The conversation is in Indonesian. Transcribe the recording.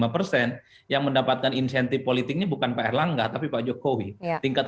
lima persen yang mendapatkan insentif politiknya bukan pak erlangga tapi pak jokowi tingkat